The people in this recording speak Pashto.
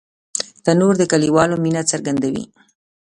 تنور د کلیوالو مینه څرګندوي